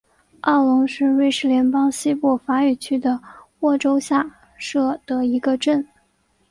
奥龙是瑞士联邦西部法语区的沃州下设的一个镇。